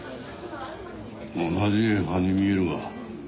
同じ葉に見えるが。